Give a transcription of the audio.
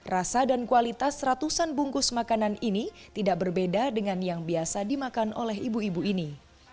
rasa dan kualitas ratusan bungkus makanan ini tidak berbeda dengan yang biasa dimakan oleh ibu ibu ini